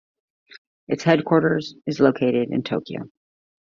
Its headquarters is located in Tokyo.